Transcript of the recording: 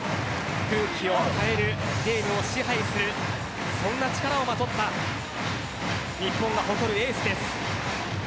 空気を変えるゲームを支配するそんな力をまとった日本が誇るエースです。